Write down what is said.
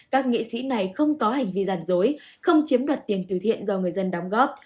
các nghệ sĩ này không có hành vi giả dối không chiếm đoạt tiền từ thiện do người dân đóng góp